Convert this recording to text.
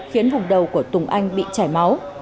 khiến vùng đầu của tùng anh bị chảy máu